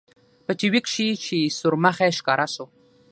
په ټي وي کښې چې سورمخى ښکاره سو.